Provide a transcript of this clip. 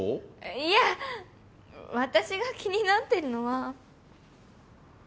いや私が気になってるのは。